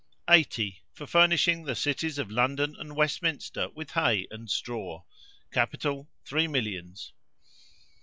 80. For furnishing the cities of London and Westminster with hay and straw. Capital, three millions.